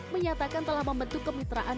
menyatakan telah membentuk kemitraan